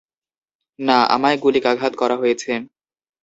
না, আমায় গুলিকাঘাত করা হয়েছে।